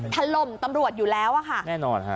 ทะลมตำรวจอยู่แล้วค่ะแน่นอนค่ะ